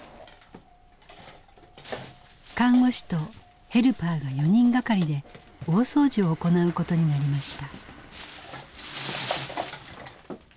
看護師とヘルパーが４人がかりで大掃除を行うことになりました。